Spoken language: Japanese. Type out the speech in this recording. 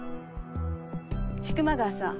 千曲川さん。